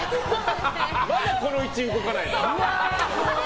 まだこの１位動かないの？